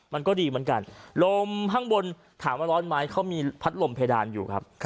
มันก็ดีเหมือนกันลมข้างบนถามว่าร้อนไหมเขามีพัดลมเพดานอยู่ครับ